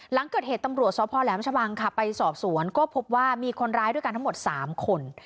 หลังเกิดเหตุตำรวจสพแหลมชะบังค่ะไปสอบสวนก็พบว่ามีคนร้ายด้วยกันทั้งหมด๓คน